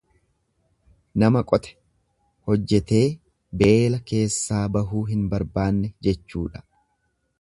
Nama qote, hojjetee beela keessaa bahuu hin barbaanne jechuudha.